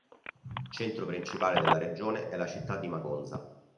Centro principale della regione è la città di Magonza.